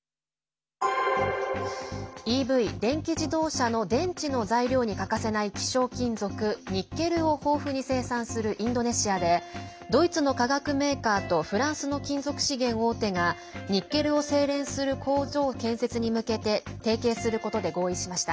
ＥＶ＝電気自動車の電池の材料に欠かせない希少金属ニッケルを豊富に生産するインドネシアでドイツの化学メーカーとフランスの金属資源大手がニッケルを精錬する工場建設に向けて提携することで合意しました。